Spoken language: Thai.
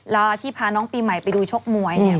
แล้วที่พาน้องปีใหม่ไปดูชกมวยเนี่ย